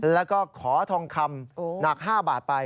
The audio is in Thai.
แล้วก็ขอทองคำหนัก๕บาทไป